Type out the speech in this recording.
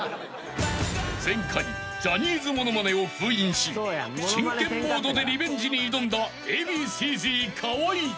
［前回ジャニーズ物まねを封印し真剣モードでリベンジに挑んだＡ．Ｂ．Ｃ−Ｚ河合］